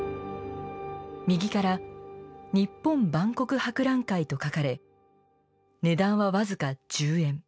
右から「日本万国博覧会」と書かれ値段は僅か１０円。